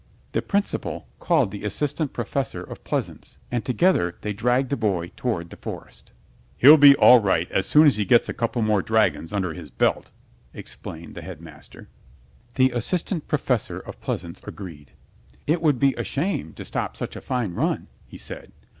The principal called the Assistant Professor of Pleasaunce, and together they dragged the boy toward the forest. "He'll be all right as soon as he gets a couple more dragons under his belt," explained the Headmaster. The Assistant Professor of Pleasaunce agreed. "It would be a shame to stop such a fine run," he said.